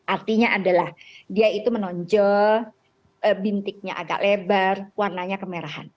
artinya adalah dia itu menonjol bintiknya agak lebar warnanya kemerahan